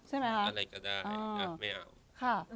อะไรก็ได้ไม่เอา